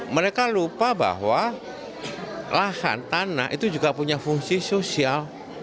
mereka lupa bahwa lahan tanah itu juga punya fungsi sosial